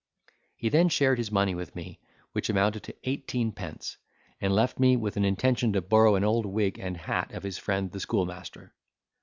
He then shared his money with me, which amounted to eighteen pence, and left me with an intention to borrow an old wig and hat of his friend the schoolmaster.